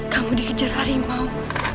kamu dikejar arimau